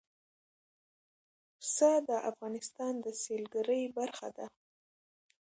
پسه د افغانستان د سیلګرۍ برخه ده.